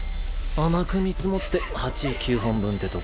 甘く見積もって８９本分ってとこかな。